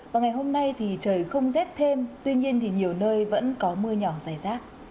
và ngày hôm nay thì trời không rét thêm tuy nhiên thì nhiều nơi vẫn có mưa nhỏ dài rác